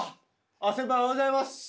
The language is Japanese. あ先輩おはようございます。